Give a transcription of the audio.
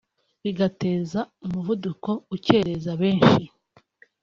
bigateza umuvundo ukereza benshi